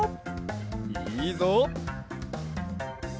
いいぞ！